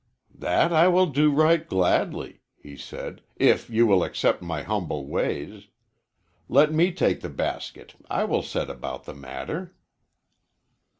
"That will I do right gladly," he said, "if you will accept my humble ways. Let me take the basket; I will set about the matter."